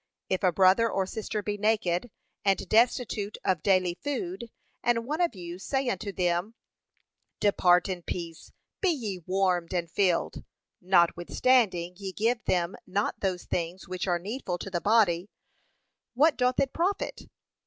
'If a brother or sister be naked, and destitute of daily food, and one of you say unto them, Depart in peace, be ye warmed and filled; notwithstanding ye give them not those things which are needful to the body; what doth it profit?